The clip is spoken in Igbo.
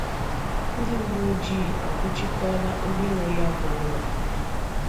ndị uwe ojii anwụchikọọla onye nwe ya bụ ụlọ